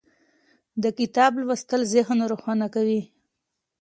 د کتاب لوستل ذهن روښانه کوي.